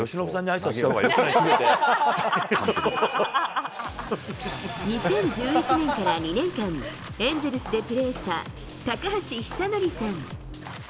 打つ方、２０１１年から２年間、エンゼルスでプレーした、高橋尚成さん。